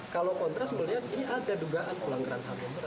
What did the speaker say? kalau kontras melihat ini ada dugaan pelanggaran ham yang berat